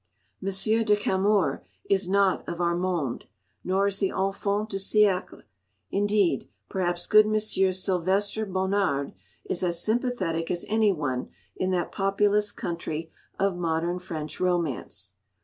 Monsieur de Camors is not of our monde, nor is the Enfant du Siècle; indeed, perhaps good Monsieur Sylvestre Bonnard is as sympathetic as anyone in that populous country of modern French romance.